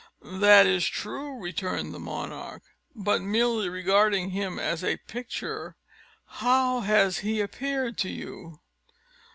"That is true," returned the monarch; "but merely regarding him as a picture, how has he appeared to you?"